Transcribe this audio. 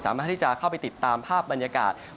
สามารถที่จะเข้าไปติดตามภาพบรรยากาศ